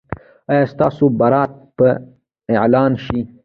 ایا ستاسو برات به اعلان شي؟